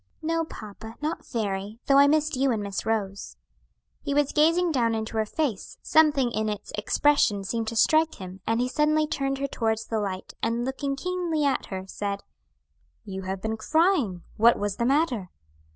"No, papa; not very, though I missed you and Miss Rose." He was gazing down into her face; something in its expression seemed to strike him, and he suddenly turned her towards the light, and looking keenly at her, said, "You have been crying; what was the matter?"